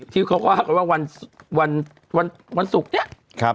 ที่เขาว่ากันว่าวันวันวันวันศุกร์เนี้ยครับ